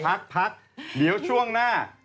พักพักเดี๋ยวช่วงหน้า